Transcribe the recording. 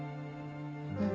うん。